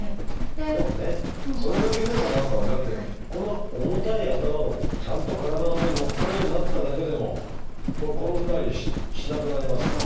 でもねそれだけでも何かだってこの重たい頭がちゃんと体の上にのっかるようになっただけでも転んだりしなくなりますもんね。